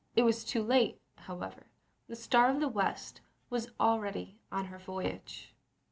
It was too late, however ; the Star of the West was already on her voyage.